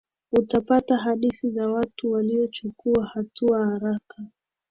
utapata hadithi za watu waliyochukua hatua haraka